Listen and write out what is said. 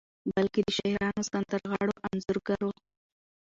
بلکې د شاعرانو، سندرغاړو، انځورګرو